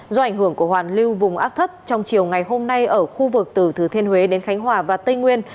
do ảnh hưởng của hoàn lưu vùng áp thấp trong chiều ngày hôm nay ở khu vực từ thừa thiên huế đến khánh hòa và tây nguyên